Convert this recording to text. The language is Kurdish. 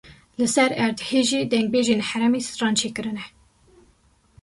Li ser erdhejê dengbêjên herêmê stran çêkirine.